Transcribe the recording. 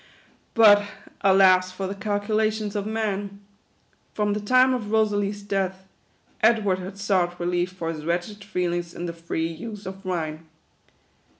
But alas for the calculations of man ! From the time of Kosalie's death, Edward had sought relief for his wretched feelings in the free use of wine.